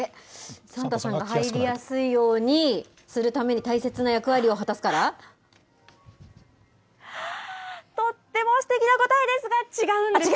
サンタさんが入りやすいようにするために大切な役割を果たすとってもすてきな答えですが、違うんだ。